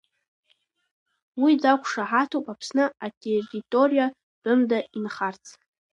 Уи дақәшаҳаҭуп Аԥсны атерриториа тәымда инхарц.